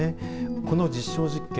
この実証実験